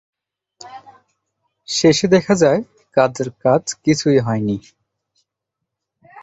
শেষে দেখা যায় কাজের কাজ কিছুই হয়নি।